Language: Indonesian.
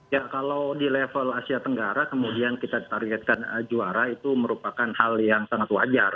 ya kalau di level asia tenggara kemudian kita targetkan juara itu merupakan hal yang sangat wajar